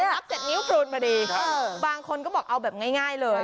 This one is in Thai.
ว่าจะนับเสร็จนิ้วพลูนมาดีบางคนก็บอกเอาแบบง่ายง่ายเลย